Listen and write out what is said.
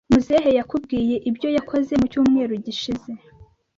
Muzehe yakubwiye ibyo yakoze mu cyumweru gishize?